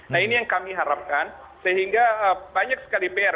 nah ini yang kami harapkan sehingga banyak sekali pr